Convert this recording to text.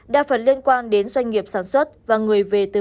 đa phần liên quan đến doanh nghiệp sản xuất và người về từ